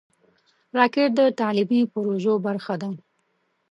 راکټ د تعلیمي پروژو برخه ده